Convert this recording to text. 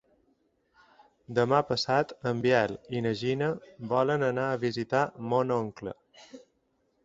Demà passat en Biel i na Gina volen anar a visitar mon oncle.